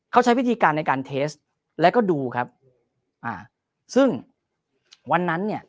เขาใช้วิธีการในการเทสแล้วก็ดูครับอ่าซึ่งวันนั้นเนี่ย